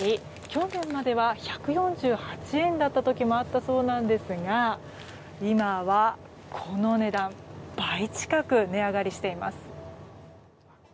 去年までは１４８円だった時もあったそうなんですが今はこの値段倍近く値上がりしています。